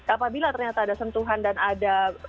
apabila ternyata ada sentuhan dan ada